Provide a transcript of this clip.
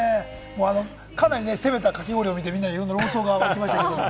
かなり攻めた、かき氷を見て、みんなでいろんな論争が起こりました。